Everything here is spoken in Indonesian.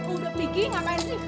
udah pergi ngapain sih